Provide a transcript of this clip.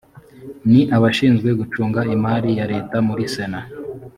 ni abashinzwe gucunga imari ya leta muri sena